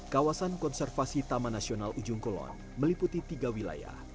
kawasan konservasi taman nasional ujung kulon meliputi tiga wilayah